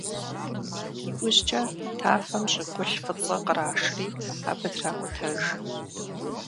ИужькӀэ тафэм щӀыгулъ фӀыцӀэ кърашри абы тракӀутэж.